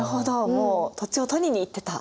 もう土地を取りに行ってた。